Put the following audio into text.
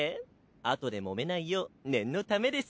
あとでもめないよう念のためです。